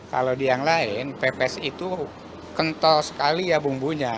kalau di yang lain pepes itu kental sekali ya bumbunya